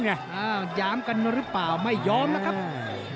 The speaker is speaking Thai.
หยามกันหรือเปล่าไม่ยอมนะครับ